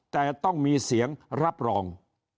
แต่ต้องมีเสียงรับรอง